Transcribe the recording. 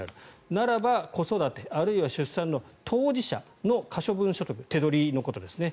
ならば、子育てあるいは出産の当事者の可処分所得手取りのことですね。